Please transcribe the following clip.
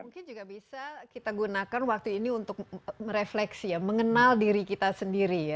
mungkin juga bisa kita gunakan waktu ini untuk merefleksi ya mengenal diri kita sendiri ya